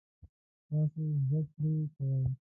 تاسو زده کړی کوئ؟